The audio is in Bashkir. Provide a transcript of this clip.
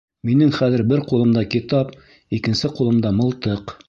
Минең хәҙер бер ҡулымда китап, икенсе ҡулымда мылтыҡ.